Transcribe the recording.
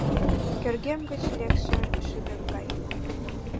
Кӧргем гыч лекше шӱмем гай.